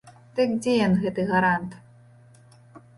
Дык дзе ён, гэты гарант?